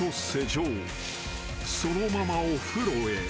［そのままお風呂へ］